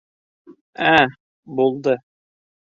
— Ә, булды.